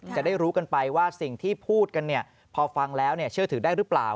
จะได้รู้กันไปว่าสิ่งที่พูดกันพอฟังแล้วเชื่อถือได้หรือเปล่า